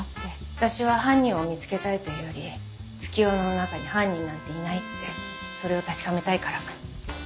私は犯人を見つけたいというより月夜野の中に犯人なんていないってそれを確かめたいから。